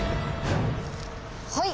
はい！